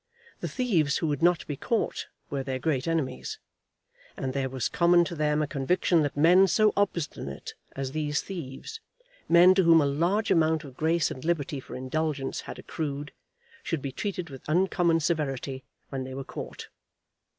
The thieves who would not be caught were their great enemies; and there was common to them a conviction that men so obstinate as these thieves, men to whom a large amount of grace and liberty for indulgence had accrued, should be treated with uncommon severity when they were caught.